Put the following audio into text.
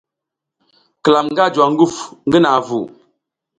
Klam nga juwa nguf ngi naʼa vu.